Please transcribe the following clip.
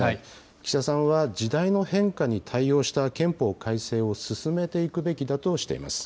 岸田さんは時代の変化に対応した憲法改正を進めていくべきだとしています。